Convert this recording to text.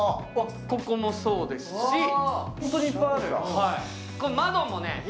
ここもそうですし。